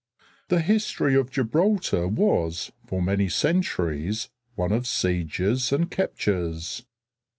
The history of Gibraltar was for many centuries one of sieges and captures.